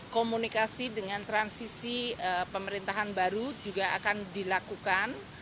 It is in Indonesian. komunikasi dengan transisi pemerintahan baru juga akan dilakukan